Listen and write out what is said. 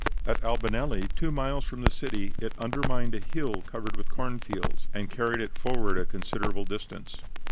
At Albanelli, two miles from the city, it undermined a hill covered with cornfields and carried it forward a considerable distance.